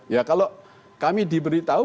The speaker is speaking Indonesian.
ya kalau kami diberitahu